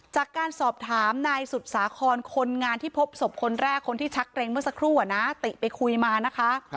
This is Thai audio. จากการสอบถามนายสุดสาครคนงานที่พบศพคนแรกคนที่ชักเกรงเมื่อสักครู่ติไปคุยมานะคะ